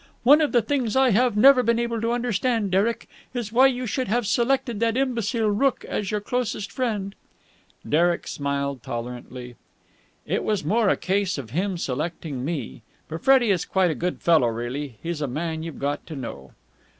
One of the things I have never been able to understand, Derek, is why you should have selected that imbecile Rooke as your closest friend." Derek smiled tolerantly. "It was more a case of him selecting me. But Freddie is quite a good fellow really. He's a man you've got to know."